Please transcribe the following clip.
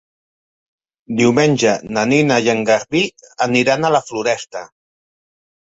Diumenge na Nina i en Garbí aniran a la Floresta.